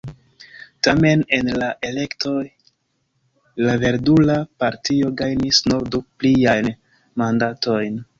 Tamen en la elektoj la Verdula Partio gajnis nur du pliajn mandatojn.